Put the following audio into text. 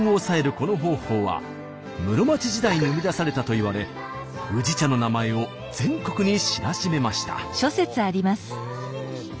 この方法は室町時代に生み出されたといわれ宇治茶の名前を全国に知らしめました。